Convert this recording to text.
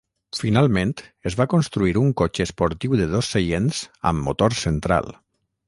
Finalment, es va construir un cotxe esportiu de dos seients amb motor central.